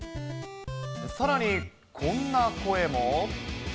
さらに、こんな声も。